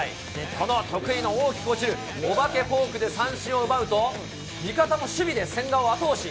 その得意の大きく落ちるお化けフォークで三振を奪うと、味方も守備で千賀を後押し。